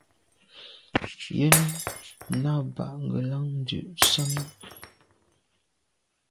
Yen nà ba ngelan ndù sàne.